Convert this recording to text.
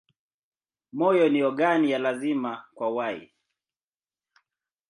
Moyo ni ogani ya lazima kwa uhai.